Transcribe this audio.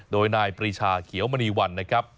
โดยนายปรีชาเขียวมณีวันนะครับ